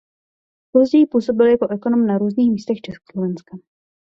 Později působil jako ekonom na různých místech Československa.